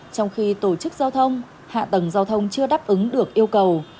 trong khi tổ chức giao thông hạ tầng giao thông chưa đáp ứng được yêu cầu